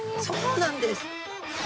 そうなんです。